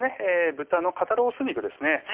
豚の肩ロース肉ですね